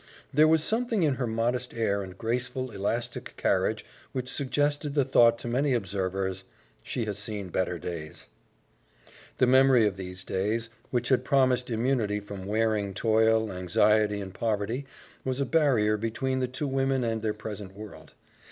There was something in her modest air and graceful, elastic carriage which suggested the thought to many observers, "She has seen better days." The memory of these days, which had promised immunity from wearing toil, anxiety, and poverty, was a barrier between the two women and their present world.